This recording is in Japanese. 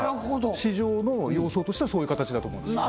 市場の様相としてはそういう形だと思うんですよね